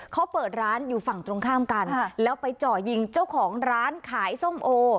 เขาเปิดร้านอยู่ฝั่งตรงข้ามกันแล้วไปเจาะยิงเจ้าของร้านขายส้มโอ